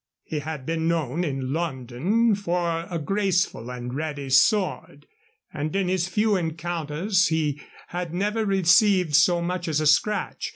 He had been known in London for a graceful and ready sword, and in his few encounters he had never received so much as a scratch.